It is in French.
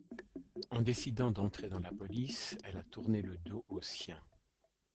En décidant d'entrer dans la police, elle a tourné le dos aux siens.